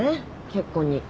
結婚に。